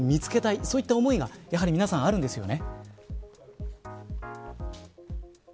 そういった思いでやはり皆さんあるんですよね。